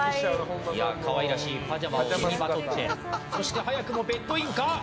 可愛らしいパジャマを身にまとってそして、早くもベッドインか？